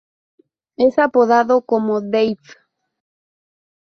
Es apodado como "Dave".